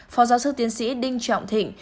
phó giáo sư tiến sĩ đinh trọng thịnh